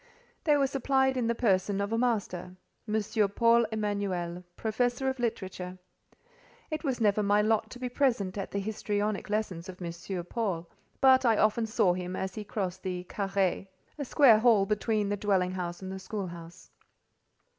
They were supplied in the person of a master—M. Paul Emanuel, professor of literature. It was never my lot to be present at the histrionic lessons of M. Paul, but I often saw him as he crossed the carré (a square hall between the dwelling house and school house).